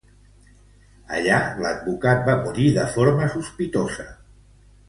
Allí l'advocat va morir de forma sospitosa.